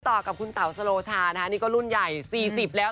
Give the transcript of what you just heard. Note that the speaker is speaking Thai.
ต่อก็คุณเต่าสโรษานะฮะนี่ก็รุ่นใหญ่สี่สิบแล้ว